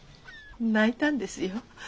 泣いたんですよ。